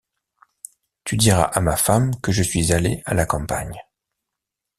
Tu diras à ma femme que je suis allé à la campagne.